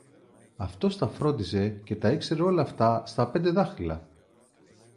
Αυτός τα φρόντιζε και τα ήξερε όλα αυτά στα πέντε δάχτυλα!